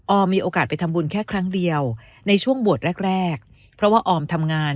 มีโอกาสไปทำบุญแค่ครั้งเดียวในช่วงบวชแรกแรกเพราะว่าออมทำงาน